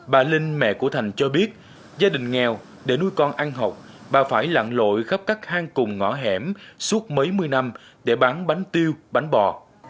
bà linh mẹ của thành cho biết gia đình nghèo để nuôi con ăn học bà phải lặn lội khắp các hang cùng ngõ hẻm suốt mấy mươi năm để bán bánh tiêu bánh bò